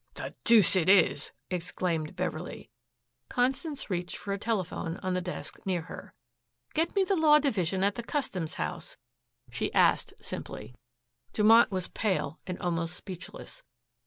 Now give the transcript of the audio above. "The deuce it is!" exclaimed Beverley. Constance reached for a telephone on the desk near her. "Get me the Law Division at the Customs House," she asked simply. Dumont was pale and almost speechless.